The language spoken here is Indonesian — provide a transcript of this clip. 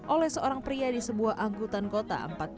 oleh seorang pria di sebuah angkutan kota empat puluh empat